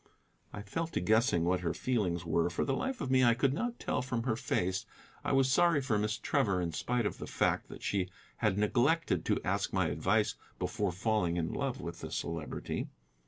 I fell to guessing what her feelings were; for the life of me I could not tell from her face. I was sorry for Miss Trevor in spite of the fact that she had neglected to ask my advice before falling in love with the Celebrity.